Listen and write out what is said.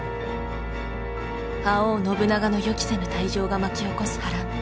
覇王信長の予期せぬ退場が巻き起こす波乱。